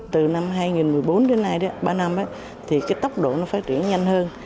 từ năm hai nghìn một mươi bốn đến nay ba năm tốc độ phát triển nhanh hơn